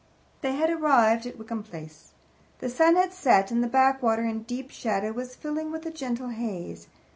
They had arrived at Wickham Place. The sun had set, and the backwater, in deep shadow, was filling with a gentle haze.